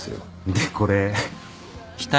でこれ。